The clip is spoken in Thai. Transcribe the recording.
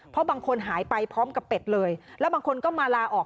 เพราะบางคนหายไปพร้อมกับเป็ดเลยแล้วบางคนก็มาลาออก